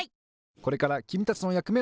これからきみたちのやくめをはっぴょうする！